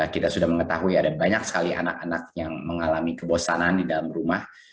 kita sudah mengetahui ada banyak sekali anak anak yang mengalami kebosanan di dalam rumah